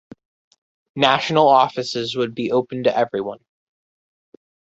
National offices would be open to everyone.